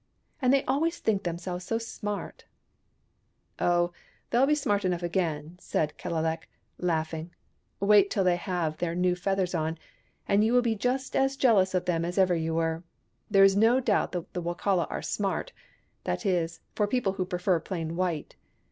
And they always think themselves so smart !"" Oh, they'll be smart enough again," said Kellelek, laughing. " Wait until they have their new feathers on, and you will be just as jealous of them as ever you were. There is no doubt that the Wokala are smart— that is, for people who prefer plain white.